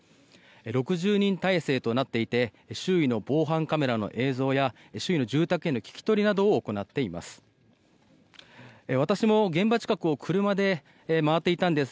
６０人態勢となっていて周囲の防犯カメラの映像や周囲の住宅への聞き取りなどを行っています。